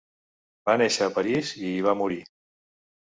Va néixer a París i hi va morir.